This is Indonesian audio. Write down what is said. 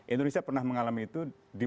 indonesia pernah mengalami itu